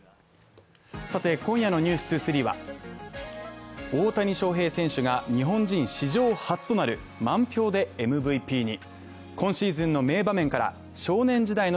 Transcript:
今夜の「ｎｅｗｓ２３」は大谷翔平選手が日本人史上初となる満票でＭＶＰに。